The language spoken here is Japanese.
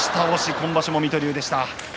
今場所も水戸龍でした。